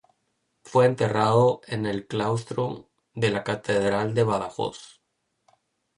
Fue enterrado en el claustro de la catedral de Badajoz.